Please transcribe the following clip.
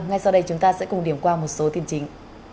ngay sau đây chúng ta sẽ cùng điểm qua một số tin chính